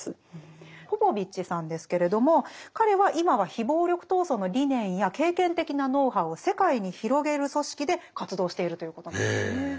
ポポヴィッチさんですけれども彼は今は非暴力闘争の理念や経験的なノウハウを世界に広げる組織で活動しているということなんですね。へ。